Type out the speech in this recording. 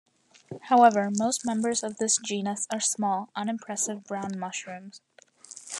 However, most members of this genus are small, unimpressive brown mushrooms.